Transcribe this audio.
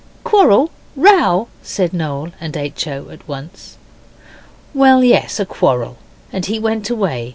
'Quarrel?' Row?' said Noel and H. O. at once. 'Well, yes, a quarrel, and he went away.